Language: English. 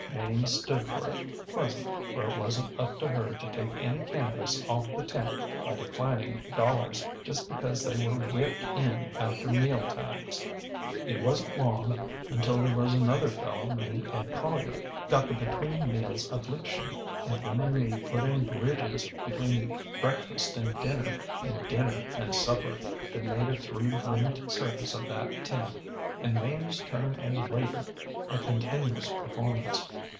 Mame stood for it, pleasant, for it wasnŌĆÖt up to her to take any canvas off the tent by declining dollars just because they were whipped in after meal times. ŌĆ£It wasnŌĆÖt long until there was another fellow named Ed Collier got the between meals affliction, and him and me put in bridges between breakfast and dinner, and dinner and supper, that made a three ringed circus of that tent, and MameŌĆÖs turn as waiter a continuous performance.